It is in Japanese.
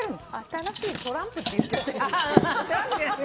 新しいトランプって言っちゃった。